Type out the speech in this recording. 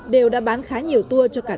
đều đã bán khá nhiều tour cho cả